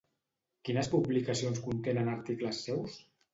Quines publicacions contenen articles seus?